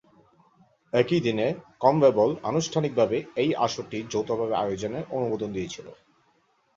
একই দিনে কনমেবল আনুষ্ঠানিকভাবে এই আসরটি যৌথভাবে আয়োজনের অনুমোদন দিয়েছিল।